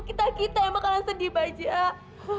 kita kita yang bakalan sedih bajak